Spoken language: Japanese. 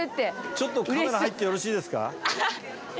ちょっとカメラ入ってよろしいですか？